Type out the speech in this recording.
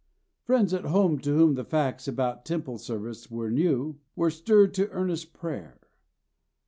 Friends at home to whom the facts about Temple service were new, were stirred to earnest prayer.